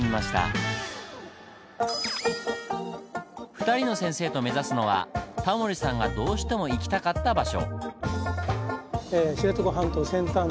２人の先生と目指すのはタモリさんがどうしても行きたかった場所。